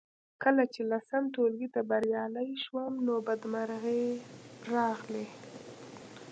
کله چې لسم ټولګي ته بریالۍ شوم نو بدمرغۍ راغلې